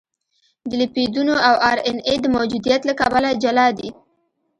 د لیپیدونو او ار ان اې د موجودیت له کبله جلا دي.